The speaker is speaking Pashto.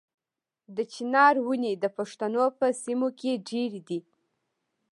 د چنار ونې د پښتنو په سیمو کې ډیرې دي.